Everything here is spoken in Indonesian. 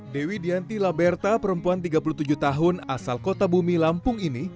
dewi dianti laberta perempuan tiga puluh tujuh tahun asal kota bumi lampung ini